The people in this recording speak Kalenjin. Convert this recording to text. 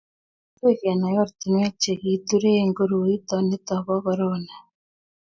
agoi kenai ortinwek che kiturei koroito nito bo korona